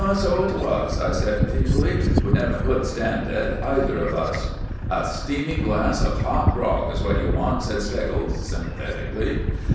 "So it was," I said, feebly. "We never could stand it either of us." "A steaming glass of hot grog is what you want," said Steggles, sympathetically.